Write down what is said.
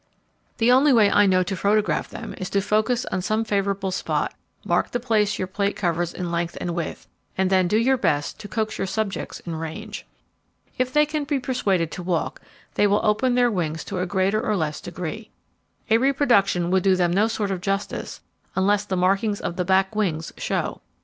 The only way I know to photograph them is to focus on some favourable spot, mark the place your plate covers in length and width, and then do your best to coax your subjects in range. If they can be persuaded to walk, they will open their wings to a greater or less degree. A reproduction would do them no sort of justice unless the markings of the back wings show.